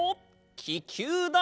ききゅうだ！